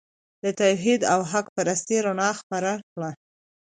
د توحید او حق پرستۍ رڼا خپره کړه.